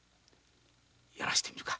やらしてみるか。